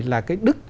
là cái đức